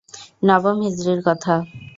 নবম হিজরীর কথা।